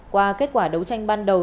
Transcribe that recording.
qua kết quả đấu tranh ban đầu